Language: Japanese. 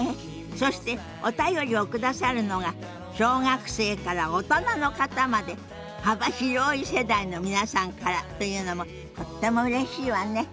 そしてお便りを下さるのが小学生から大人の方まで幅広い世代の皆さんからというのもとってもうれしいわね。